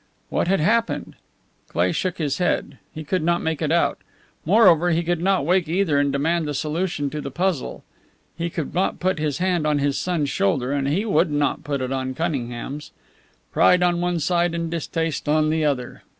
What had happened? Cleigh shook his head; he could not make it out. Moreover, he could not wake either and demand the solution to the puzzle. He could not put his hand on his son's shoulder, and he would not put it on Cunningham's. Pride on one side and distaste on the other.